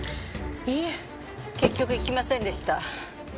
いいえ結局行きませんでした。